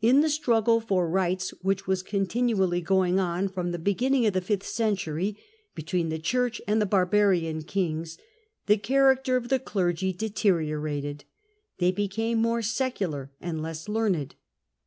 In the struggle for rights which was continually going on from the be ginning of the fifth century, between the Church and the barbarian kings, the character of the clergy dete riorated; they became more secular and less learned.